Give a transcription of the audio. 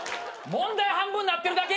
問題半分なってるだけ？